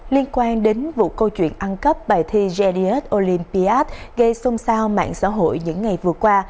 liên quan đến vụ câu chuyện ăn cắp bài thi grd olympiat gây xôn xao mạng xã hội những ngày vừa qua